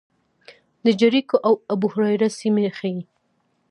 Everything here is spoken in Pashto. د جریکو او ابوهریره سیمې ښيي.